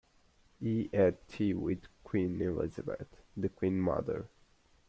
He had tea with Queen Elizabeth The Queen Mother.